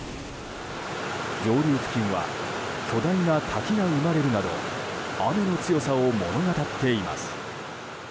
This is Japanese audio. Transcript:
上流付近は巨大な滝が生まれるなど雨の強さを物語っています。